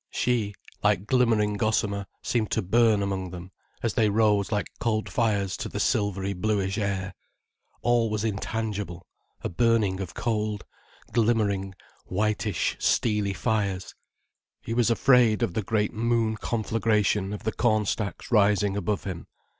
She, like glimmering gossamer, seemed to burn among them, as they rose like cold fires to the silvery bluish air. All was intangible, a burning of cold, glimmering, whitish steely fires. He was afraid of the great moon conflagration of the cornstacks rising above him.